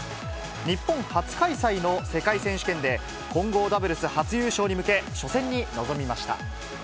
日本初開催の世界選手権で、混合ダブルス初優勝に向け、初戦に臨みました。